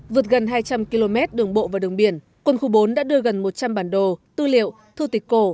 vượt gần hai trăm linh km đường bộ và đường biển quân khu bốn đã đưa gần một trăm linh bản đồ tư liệu thư tịch cổ